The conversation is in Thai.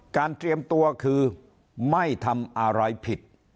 เตรียมตัวคือไม่ทำอะไรผิด